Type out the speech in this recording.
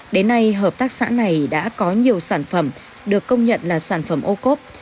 đến nay hợp tác xã này đã có nhiều sản phẩm được công nhận là sản phẩm ô cốp